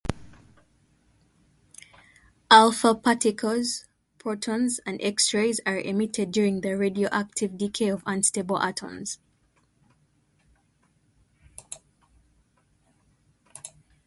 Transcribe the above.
Alpha particles, protons, and X-rays are emitted during the radioactive decay of unstable atoms.